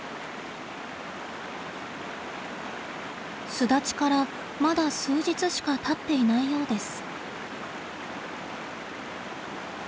巣立ちからまだ数日しかたっていないようです。